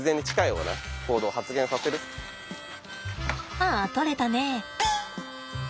ああ取れたね。